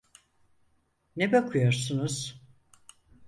Ne bakıyorsunuz?